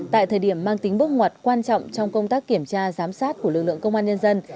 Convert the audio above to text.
tại thời điểm mang tính bước ngoặt quan trọng trong công tác kiểm tra giám sát của lực lượng công an nhân dân